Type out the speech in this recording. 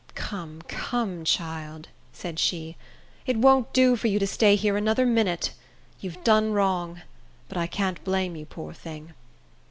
"Come, come, child," said she, "it won't do for you to stay here another minute. You've done wrong; but I can't blame you, poor thing!"